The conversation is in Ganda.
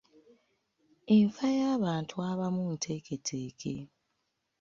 Enfa y'abantu abamu nteeketeeke.